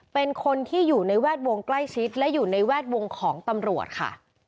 เป็นคนที่อยู่ในแวดวงใกล้ชิดและอยู่ในแวดวงของตำรวจค่ะ